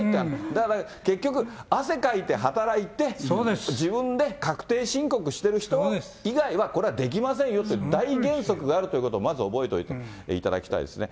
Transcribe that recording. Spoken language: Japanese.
だから、結局、汗かいて、働いて、自分で確定申告してる人以外はこれはできませんよと、大原則があるということをまず覚えておいていただきたいですね。